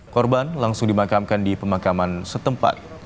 korban langsung dimakamkan di pemakaman setempat